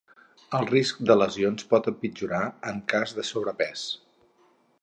El risc de lesions pot empitjorar en cas de sobrepès.